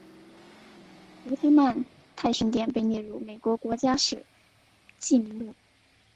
犹他曼泰圣殿被列入美国国家史迹名录。